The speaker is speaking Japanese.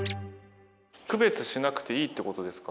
区別しなくていいってことですか？